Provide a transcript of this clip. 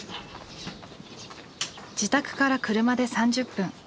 自宅から車で３０分。